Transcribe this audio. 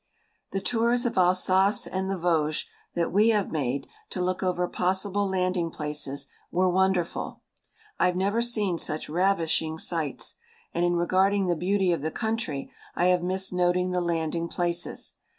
The tours of Alsace and the Vosges that we have made, to look over possible landing places, were wonderful. I've never seen such ravishing sights, and in regarding the beauty of the country I have missed noting the landing places.